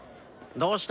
どうした？